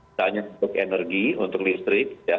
misalnya untuk energi untuk listrik